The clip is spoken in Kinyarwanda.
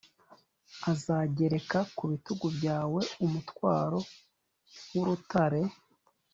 azagereka ku bitugu byawe umutwaro w’urutare